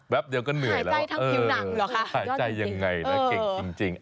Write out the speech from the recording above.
แป๊บเดียวก็เหนื่อยแล้วว่าเออถ่ายใจอย่างไรนะเก่งจริง